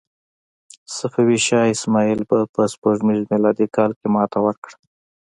صفوي شاه اسماعیل په سپوږمیز میلادي کال کې ماتې ورکړه.